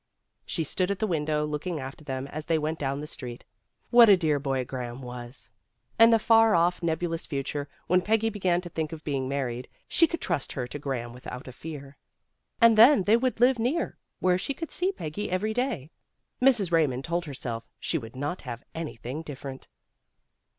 She stood at the window looking after them as they went down the street. What a dear boy Graham was! In the far off, nebulous future when Peggy began to think of being married, she could trust her to Graham without a fear. And then they would live near, where she could see Peggy every day. Mrs. Eaymond told herself she would not have anything different.